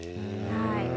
はい。